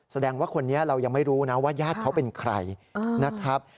แสดงว่าคนนี้เรายังไม่รู้นะว่าญาติเขาเป็นใครนะครับ